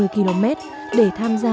bốn mươi năm mươi km để tham gia